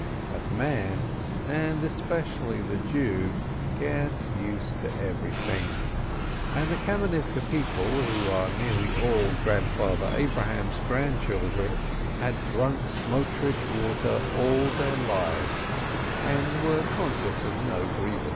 But man, and especially the Jew, gets used to anything, and the Kamenivke people, who are nearly all Grandfather Abraham's grandchildren, had drunk Smotritch water all their lives, and were conscious of no grievance.